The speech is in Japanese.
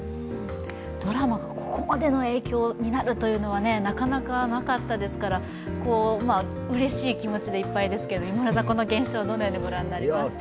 ドラマがここまでの影響になるというのはなかなかなかったですからうれしい気持ちでいっぱいですけども今村さん、この現象どのように見られますか？